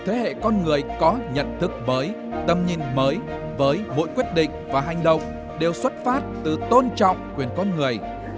thế hệ con người có nhận thức mới tầm nhìn mới với mỗi quyết định và hành động đều xuất phát từ tôn trọng quyền con người